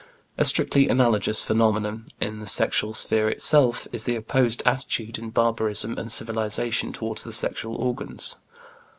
A strictly analogous phenomenon, in the sexual sphere itself, is the opposed attitude in barbarism and civilization toward the sexual organs.